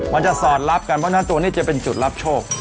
สอดรับกันเพราะฉะนั้นตัวนี้จะเป็นจุดรับโชค